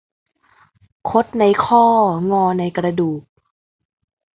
คดในข้องอในกระดูก